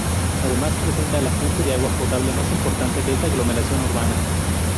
Además representa la fuente de agua potable más importante de esta aglomeración urbana.